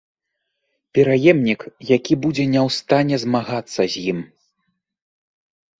Пераемнік, які будзе не ў стане змагацца з ім.